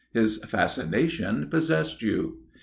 His fascination possessed you.